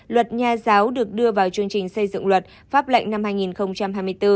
luật nhà giáo được đưa vào chương trình xây dựng luật pháp lệnh năm hai nghìn hai mươi bốn